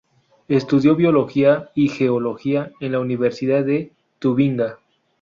Estudió biología y geología en la Universidad de Tubinga.